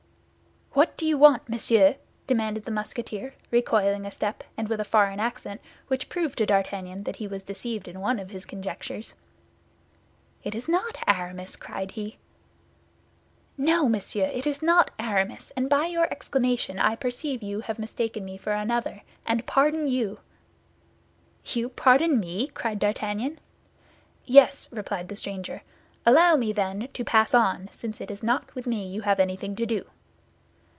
"What do you want, monsieur?" demanded the Musketeer, recoiling a step, and with a foreign accent, which proved to D'Artagnan that he was deceived in one of his conjectures. "It is not Aramis!" cried he. "No, monsieur, it is not Aramis; and by your exclamation I perceive you have mistaken me for another, and pardon you." "You pardon me?" cried D'Artagnan. "Yes," replied the stranger. "Allow me, then, to pass on, since it is not with me you have anything to do."